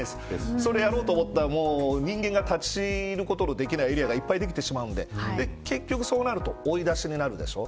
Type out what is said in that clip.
それやろうと思ったら人間が立ち入ることのできないエリアがいっぱいできてしまうので結局そうなると追い出しになるでしょう。